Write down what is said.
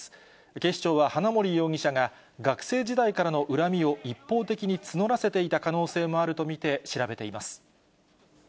警視庁は花森容疑者が、学生時代からの恨みを一方的に募らせていた可能性もあると見て、調べています。